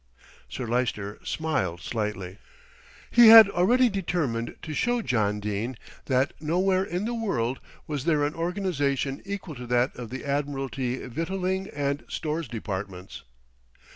Sir Lyster smiled slightly. He had already determined to show John Dene that nowhere in the world was there an organisation equal to that of the Admiralty Victualling and Stores Departments.